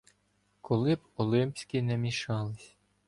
Коли б олимпські не мішались